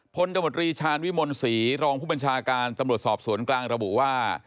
ตมตรีชาญวิมลศรีรองผู้บัญชาการตำรวจสอบสวนกลางระบุว่า